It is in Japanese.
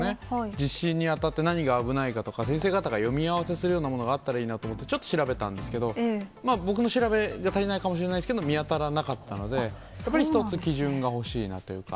実施にあたって何が危ないかとか、先生方が読み合わせするようなものがあったらいいなと思って、ちょっと調べたんですけど、僕の調べが足りないかもしれないですけど、見当たらなかったので、やっぱり一つ、基準が欲しいなというか。